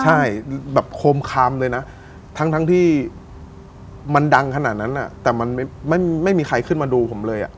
ใช่แบบโคมคำเลยนะทั้งที่มันดังขนาดนั้นแต่มันไม่มีใครขึ้นมาดูผมเลย